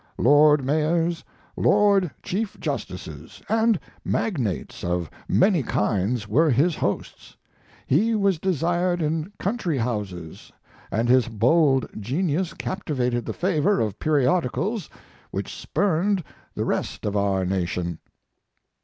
Lord mayors, lord chief justices, and magnates of many kinds were his hosts; he was desired in country houses, and his bold genius captivated the favor of periodicals which spurned the rest of our nation.